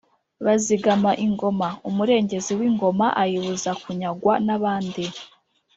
bazigama ingoma: umurengezi w’ingoma ayibuza kunyagwa n’abandi